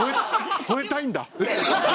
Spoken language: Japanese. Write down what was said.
ほえたいんだ？